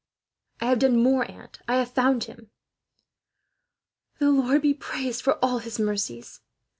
"I have done more, aunt, I have found him." "The Lord be praised for all His mercies!"